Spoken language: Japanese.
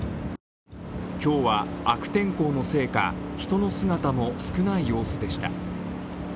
今日は悪天候のせいか、人の姿も少ない様子でした。